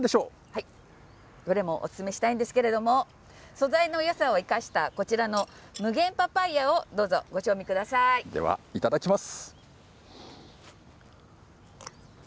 どれもお勧めしたいんですけれども、素材のよさを生かした、こちらの無限パパイアをどうぞ、ではいただきます。